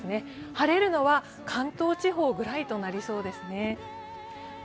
晴れるのは関東地方ぐらいとなりそうですね。